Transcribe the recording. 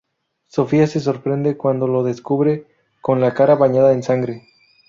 Sofía se sorprende cuando lo descubre con la cara bañada en sangre.